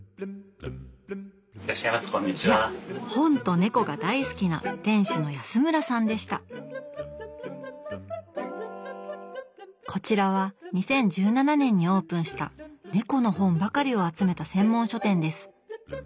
⁉いや本と猫が大好きな店主の安村さんでしたこちらは２０１７年にオープンした猫の本ばかりを集めた専門書店です。